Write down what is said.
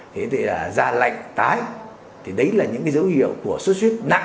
thế thì là da lạnh tái thì đấy là những dấu hiệu của suốt suốt nặng